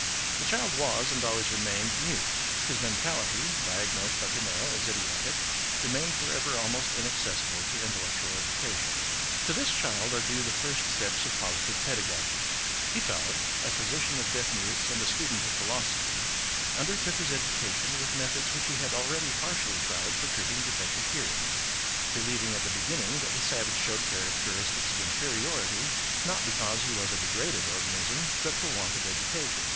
The child was, and always remained, mute; his mentality, diagnosed by Pinel as idiotic, remained forever almost inaccessible to intellectual education. To this child are due the first steps of positive pedagogy. Itard, a physician of deaf mutes and a student of philosophy, undertook his education with methods which he had already partially tried for treating defective hearing–believing at the beginning that the savage showed char acteristics of inferiority, not because he was a degraded organism, but for want of education.